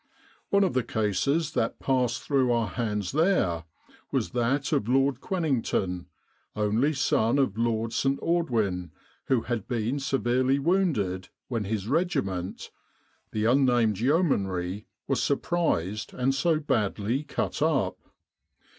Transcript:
One of the cases that passed through our hands there was that of Lord Quenington, only son of "3 With the R.A.M.C. in Egypt Lord St. Aldwyn, who had been very severely wounded when his regiment, the Yeomanry, was surprised and so badly cut up.